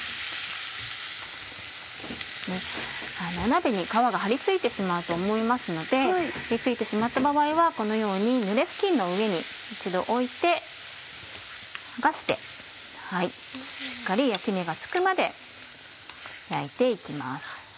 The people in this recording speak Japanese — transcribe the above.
鍋に皮が張り付いてしまうと思いますので張り付いてしまった場合はこのようにぬれ布巾の上に一度置いて剥がしてしっかり焼き目がつくまで焼いて行きます。